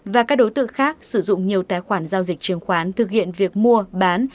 và các đối tượng khác sử dụng nhiều tài khoản giao dịch chứng khoán thực hiện việc mua bán